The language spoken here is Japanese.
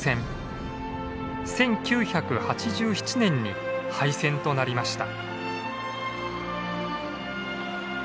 １９８７年に廃線となりました。